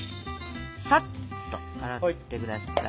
さっと洗って下さい。